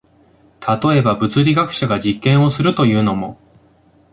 例えば、物理学者が実験をするというのも、